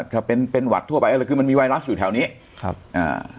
ถ้าเป็นเป็นหวัดทั่วไปอะไรคือมันมีไวรัสอยู่แถวนี้ครับอ่า